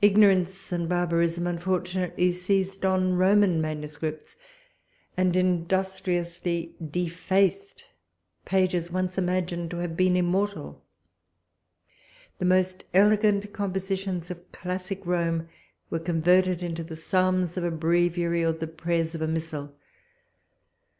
Ignorance and barbarism unfortunately seized on Roman manuscripts, and industriously defaced pages once imagined to have been immortal! The most elegant compositions of classic Rome were converted into the psalms of a breviary, or the prayers of a missal.